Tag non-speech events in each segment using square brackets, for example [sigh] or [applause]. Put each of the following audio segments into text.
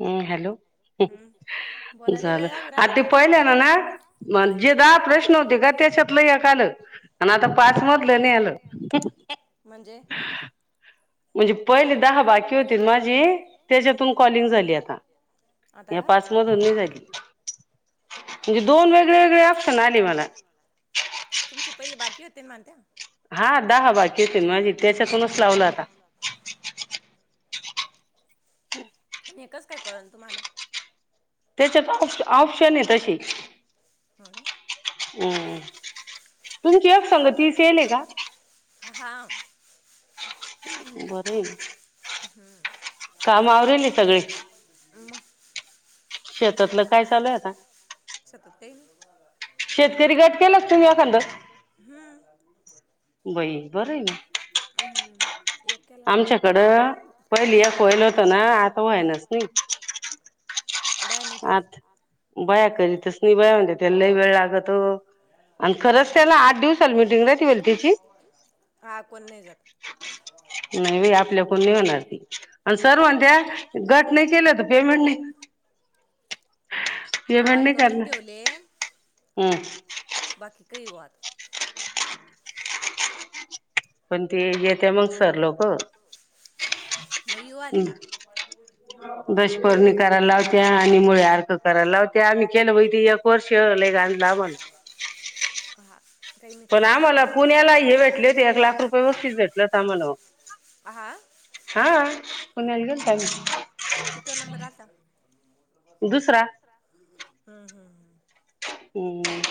हम् हॅलो. हम्म. बोलायले वेळ आवरायला, ते पहिले ना, ना म्हणजे दहा प्रश्न होते ग, त्येच्यात लई हे झालं म आता पाच मोटले नाही, म्हणजे? म्हणजे पहिले दहा बाकी होती ना माझी त्येज्यातून कॉलिंग झाली आता, या पाच मधून नाही झाली. म्हणजे दोन वेगळे वेगळे ऑप्शन आले मला. तुमचे पहिली बाकी होते मानत्या. हा, दहा बाकी होते माझे, त्येच्यातूनच लावलं आता आणि एकच काय कळण तुम्हाला. त्याच्यात ऑप, ऑप्शन हे तशी. अम्म, तुम्ही ते संगती केले का? हां. बरंय हम्म, आणि मक सपतेय शेतकरी गं हम्म्म. हम्मं एक केला ना, आमच्याकडं पहिली हेयल होत ना, [unintelligible] बाया नाही करीत [unintelligible] का, कोण नाही जात. नाही बाई आपल्याकून नै होणार ती, आणि सर म्हणत्यात, गट नाही केलं तर पेमेंट नाही नावाल करून ठेवले, बाकी कही हो आत पण ते येत म येवू आली दशपर्णी करायला लावत्या आणि मुळे अर्क करायला लावत्या, आम्ही केलं बै ते एक वर्षले गा ला म्हण. हां पण आमाला पुण्याला हे भेटले होते, एक लाख रुप व्यवस्थित भेटलं त आम्हाला, हा पुण्याला गेलतं आम्ही. कितीवा नंबर आलता? दुसरा हम्म हम् हम्म.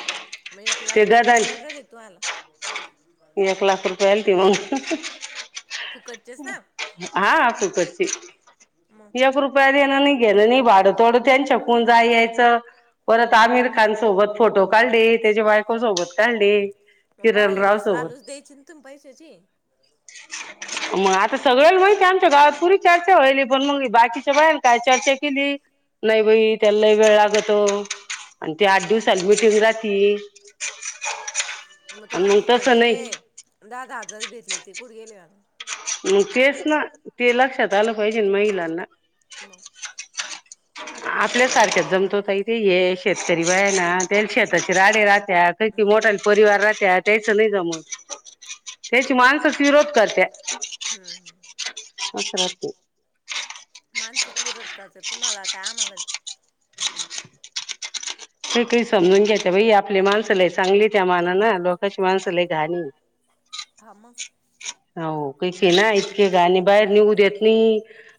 मग एक लाख रुपयाच कमी [unintelligible] तू आला. एक लाख रुपये आलते मंग. हा पची, एक रुपयं देनं नाही, घेनं नाही भाड थोडं त्यांच्याकून जा यायचं, परत आमिर खान सोबत फोटो काढलीत मग बाईल घस लालूस द्यायची ना तुम पैशाची. [inaudible] म आता सगळला माहिती आमच्या गावात पुरी चर्चा व्हाली पण मग बाकीच्या बायान काय चर्चा केली. नाही बाई त्याला वेळ लागतो आणि ते आठ दिवस आली मिटिंग राहती राहती आणि मग. खर्चे दहा दहाजार भेटले होते ते कुठे गेले मग. मग तेच ना ते लक्षात आलं पाहिजेल महिलांना. म आपल्यासारख्या [inaudible] जमतो ताई इथे ये शेतकरी बायांना त्या शेताची राणी राहत्यात त्याची मोठाली परिवार राहत्यात त्यायचं नाही जमत त्याची माणसासणी रोजगार दया. आस राहते [unintelligible] माणसंच विरोध करत्यात तुम्हाला काय आम्हाला. काई काई समजून घेते बाई आपली माणसं लय चांगली त्या मनान लोकच माणस लय घान हा मग. [unintelligible] केलाय राणी बाई जेऊ देत नाही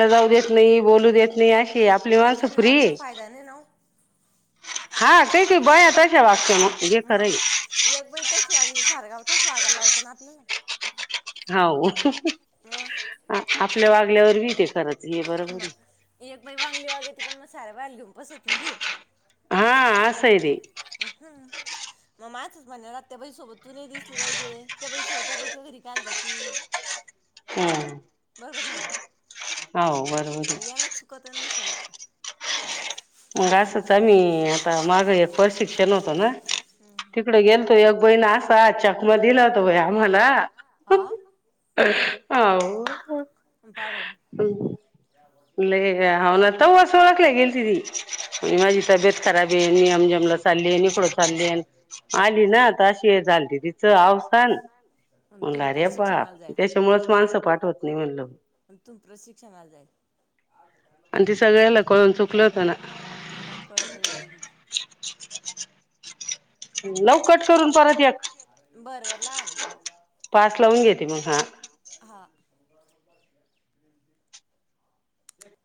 मीटिंगला जाऊ देत नाही मानसाला नाव ठेऊन फायदा नाही राव. हा शेवटी बाया तशा वागत्यात मग ते खरं हाय. म एक बाई तशी वागली सारगाव तस वागायला लावतं ना आपल्याला. हाव म. आपल्या वागण्यावर हे ते. मग एक वांगली वागती पण म साऱ्या बाया घेऊन बसती. [unintelligible] हा आस हाय ते आ हा मग माणसाच म्हणणार त्या बाई सोबत तु नाही दिसली पाहिजे त्या बाई सोबत त्या बाईच्या घरी काहीले जाती. [inaudible] हम हाव बरोबर हाय [inaudible] मसाला. माझं चालू हाय पैसे कमी झालं. हम इकडे गेलतो एक बाई [inaudible] [inaudible] हाव [inaudible] तवाच ओळखलय गे [unintelligible] तब्येत खराब नि यम जमला चाललीय इकडं चाललीय आली ना आता अशी हे झालती तिची त आवसान म्हणलं आरे बाप त्याच्या मूळचं माणसं पाठवत नाही म्हणलो. पण तू प्रशिक्षणाला जाईल पण ते सगळ्यांना कळून चुकलच हाय ना म कळत व्हय लगेच [inaudible] लवकर सुरू करून घ्या. बर बर लावायले. भात लावून घेते मग हा. हम